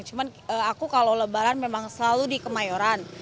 cuman aku kalau lebaran memang selalu di kemayoran